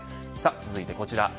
続いてこちら。